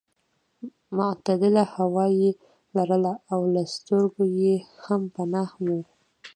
معتدله هوا یې لرله او له سترګو یې هم پناه وه.